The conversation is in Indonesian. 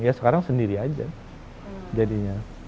ya sekarang sendiri aja jadinya